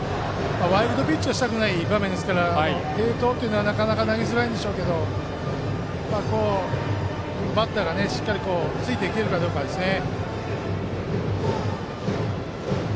ワイルドピッチをしたくない場面ですからなかなか投げづらいでしょうけどバッターがしっかりついていけるかですね。